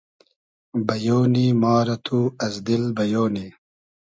بئیۉ نی ما رۂ تو از دیل بئیۉ نی